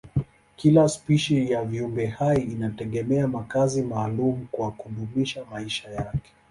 Kila spishi ya viumbehai inategemea makazi maalumu kwa kudumisha maisha yake.